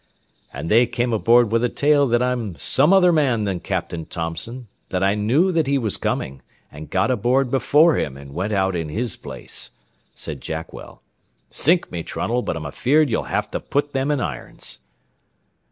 "And they come aboard with a tale that I'm some other man than Captain Thompson; that I knew that he was coming, and got aboard before him and went out in his place," said Jackwell. "Sink me, Trunnell, but I'm afeard you'll have to put them in irons."